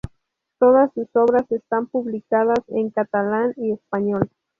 Todas sus obras están publicadas en catalán y español.